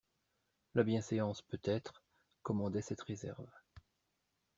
La bienséance, peut-être, commandait cette réserve.